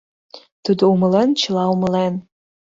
Тудо умылен, чыла умылен!